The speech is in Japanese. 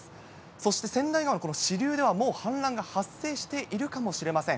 そして川内川の支流ではもう氾濫が発生しているかもしれません。